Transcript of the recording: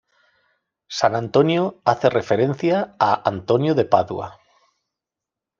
San Antonio hace referencia a Antonio de Padua.